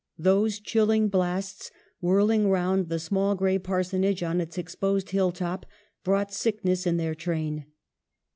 Those chilling blasts whirling round the small gray parsonage on its exposed hill top, brought sick ness in their train.